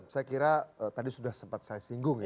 saya kira tadi sudah sempat saya singgung ya